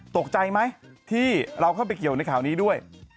ตกใจไหมที่เราเข้าไปเกี่ยวในข่าวนี้ด้วย